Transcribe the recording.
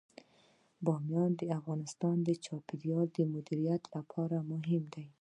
بامیان د افغانستان د چاپیریال د مدیریت لپاره مهم دي.